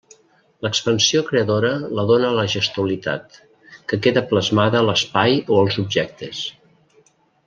L'expansió creadora la dóna la gestualitat, que queda plasmada a l'espai o als objectes.